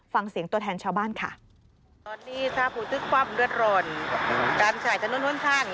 ฟังเสียงตัวแทนชาวบ้านค่ะ